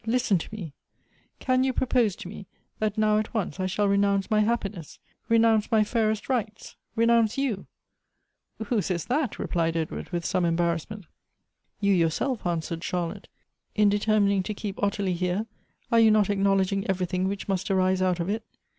listen to me — can you propose to me, that now at once I shall renounce my happiness ! re nounce my fairest rights! renounce you !"" Who says that ?" replied Edward, with some embar rassment. " You, yourself," answered Charlotte ;" in determining to keep Ottilie here, are you not acknowledging every thing which must arise out of it